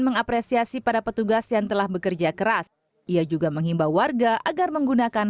mengapresiasi pada petugas yang telah bekerja keras ia juga menghimbau warga agar menggunakan